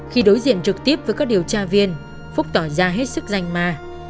khi đối diện trực tiếp với các điều tra viên phúc tỏ ra hết sức danh ma